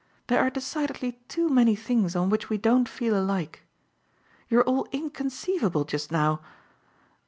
There are decidedly too many things on which we don't feel alike. You're all inconceivable just now.